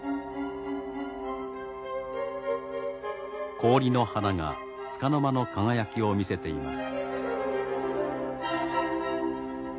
氷の花がつかの間の輝きを見せています。